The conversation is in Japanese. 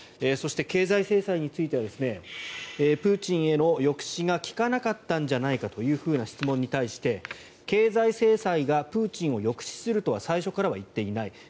そして、経済制裁についてはプーチンへの抑止が効かなかったんじゃないかという質問に対して経済制裁がプーチンを抑止するとは最初から言っていない。